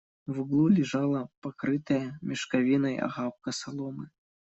В углу лежала покрытая мешковиной охапка соломы.